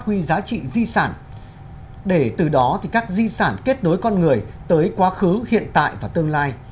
huy giá trị di sản để từ đó thì các di sản kết nối con người tới quá khứ hiện tại và tương lai